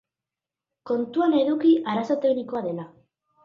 Kontuan eduki arazo teknikoa dela.